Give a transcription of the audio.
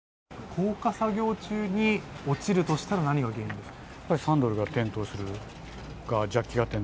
降下作業中に落ちるとしたら何か原因ですか？